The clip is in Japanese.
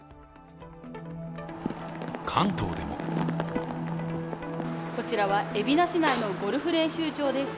関東でもこちらは海老名市内のゴルフ練習場です。